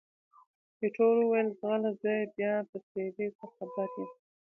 ایټور وویل، ځغله! زه یې بیا په څېرې څه خبر یم؟